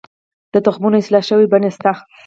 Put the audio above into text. د تخمونو اصلاح شوې بڼې شته؟